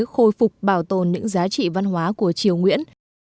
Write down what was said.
khôi phục bảo tồn những giá trị văn hóa của triều nguyễn